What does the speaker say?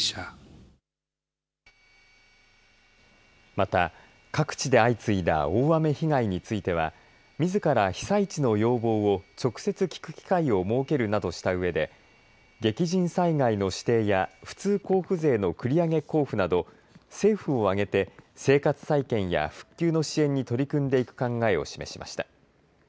また、各地で相次いだ大雨被害についてはみずから被災地の要望を直接、聞く機会を設けるなどしたうえで激甚災害の指定や普通交付税の繰り上げ交付など政府を挙げて生活再建や復旧の支援に取り組んでいく考えを示しました。